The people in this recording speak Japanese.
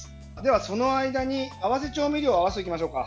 その間に、合わせ調味料を合わせていきましょうか。